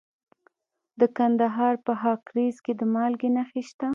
د کندهار په خاکریز کې د مالګې نښې شته.